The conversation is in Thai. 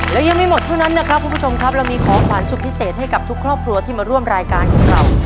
แล้วยังไม่หมดเท่านั้นนะครับคุณผู้ชมครับเรามีของขวัญสุดพิเศษให้กับทุกครอบครัวที่มาร่วมรายการของเรา